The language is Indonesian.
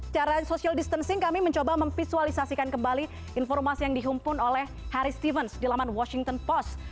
cara social distancing kami mencoba memvisualisasikan kembali informasi yang dihimpun oleh harry stevens di laman washington post